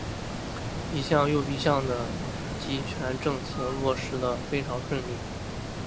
一项又一项的极权政策落实得非常顺利。